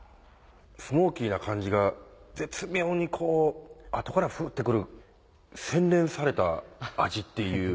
スモーキーな感じが絶妙にこう後からフってくる洗練された味っていう。